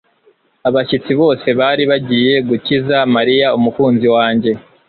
Abashyitsi bose bari bagiye gukiza Mariya, umukunzi wanjye